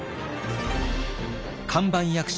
看板役者